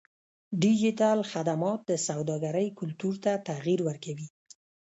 ډیجیټل خدمات د سوداګرۍ کلتور ته تغیر ورکوي.